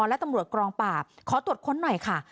และตำรวจกองปราบขอตรวจค้นหน่อยค่ะ